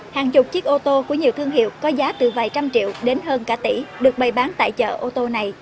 hàng chục chiếc ô tô của nhiều thương hiệu có giá từ vài trăm triệu đến hơn cả tỷ được bày bán tại chợ ô tô này